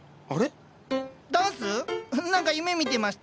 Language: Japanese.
何か夢みてました？